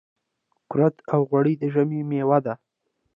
کورت او غوړي د ژمي مېوه ده .